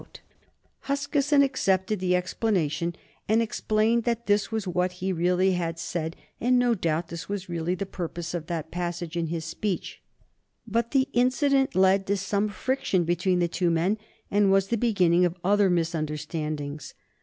[Sidenote: 1828 Demand for Catholic emancipation] Huskisson accepted the explanation, and explained that this was what he really had said, and no doubt this was really the purpose of that passage in his speech; but the incident led to some friction between the two men, and was the beginning of other misunderstandings.